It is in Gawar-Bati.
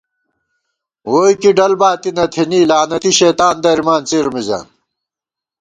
ووئی کی ڈل باتی نہ تھنی ، لعنتی شیطان درِمان څِر مِزان